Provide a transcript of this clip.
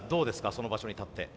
その場所に立って。